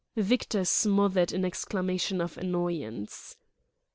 Victor smothered an exclamation of annoyance.